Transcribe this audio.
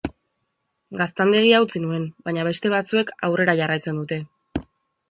Gaztandegia utzi nuen, baina beste batzuek aurrera jarraitzen dute.